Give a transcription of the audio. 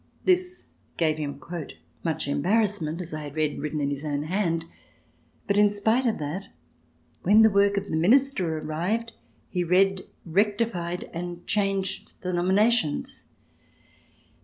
This gave him "much embarrass ment," as I had read written in his own hand, but in spite of that, when the work of the Minister ar rived, he read, rectified and changed the nominations.